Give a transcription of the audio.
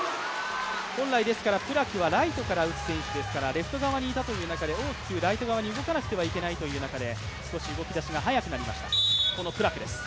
本来、プラクはライトから打つ選手ですからレフト側にいたという中で大きくライト側に動かなければいけないという中で、少し、動きだしが速くなりましたプラクです。